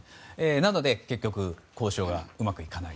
なので結局交渉がうまくいかない。